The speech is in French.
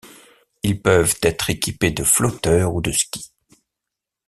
Ils peuvent être équipés de flotteurs ou de skis.